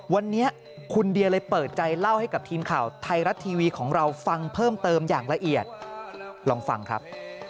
วันนี้คุณเดียเลยเปิดใจเล่าให้กับทีมข่าวไทยรัฐทีวีของเราฟังเพิ่มเติมอย่างละเอียดลองฟังครับ